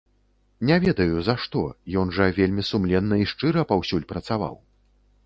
Не ведаю, за што, ён жа вельмі сумленна і шчыра паўсюль працаваў.